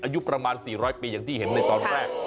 อายุประมาณ๔๐๐ปีอย่างที่เห็นในตอนแรก